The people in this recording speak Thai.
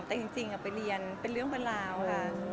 แต่จริงไปเรียนเป็นเรื่องเป็นราวค่ะ